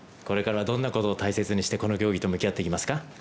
これから、どんなことを大切にしてこの競技と向き合っていきますか？